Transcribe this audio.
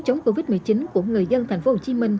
chống covid một mươi chín của người dân tp hcm